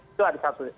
itu ada satu